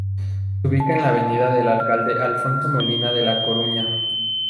Se ubica en la Avenida del Alcalde Alfonso Molina de La Coruña.